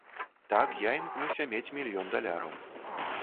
Так, я імкнуся мець мільён даляраў.